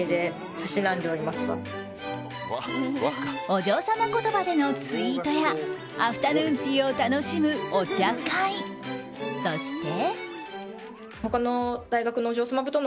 お嬢様言葉でのツイートやアフタヌーンティーを楽しむお茶会、そして。